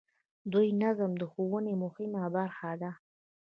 نوی نظم د ښوونې مهمه برخه ده